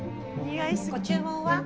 ご注文は？